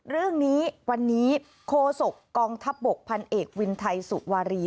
เรื่องนี้วันนี้โคศกกองทัพบกพันเอกวินไทยสุวารี